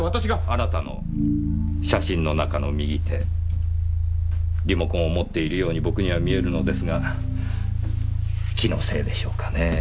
あなたの写真の中の右手リモコンを持っているように僕には見えるのですが気のせいでしょうかねぇ。